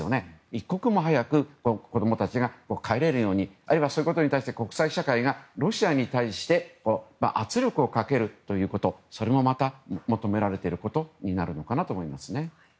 一刻も早く子供たちが帰れるようにあるいはそういうことに対して国際社会がロシアに対して圧力をかけることそれもまた求められていると思いますね。